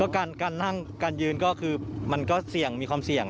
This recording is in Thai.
การนั่งการยืนก็คือมันก็เสี่ยงมีความเสี่ยง